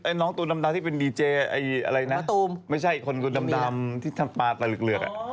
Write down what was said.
ไอ้น้องตูดำดำที่เป็นดีเจอ่ะไม่ใช่อีกคนตูดำดำที่ทำปลาแต่เหลือก